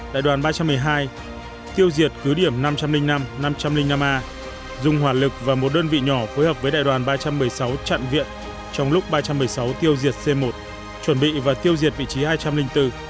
đại đoàn ba trăm một mươi hai tiêu diệt cứ điểm năm trăm linh năm năm trăm linh năm a dùng hỏa lực và một đơn vị nhỏ phối hợp với đại đoàn ba trăm một mươi sáu chặn viện trong lúc ba trăm một mươi sáu tiêu diệt c một chuẩn bị và tiêu diệt vị trí hai trăm linh bốn